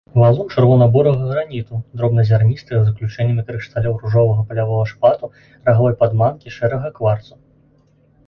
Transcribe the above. Валун чырвона-бурага граніту, дробназярністага з уключэннямі крышталёў ружовага палявога шпату, рагавой падманкі, шэрага кварцу.